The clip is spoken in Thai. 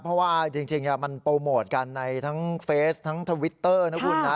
เพราะว่าจริงมันโปรโมทกันในทั้งเฟสทั้งทวิตเตอร์นะคุณนะ